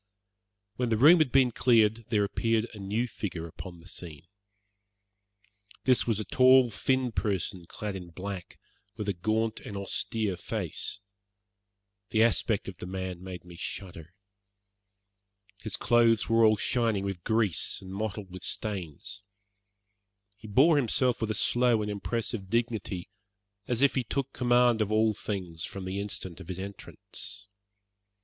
When the room had been cleared there appeared a new figure upon the scene. This was a tall, thin person clad in black, with a gaunt and austere face. The aspect of the man made me shudder. His clothes were all shining with grease and mottled with stains. He bore himself with a slow and impressive dignity, as if he took command of all things from the instant of his entrance.